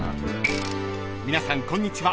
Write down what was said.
［皆さんこんにちは